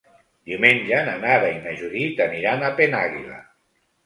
Diumenge na Nara i na Judit aniran a Penàguila.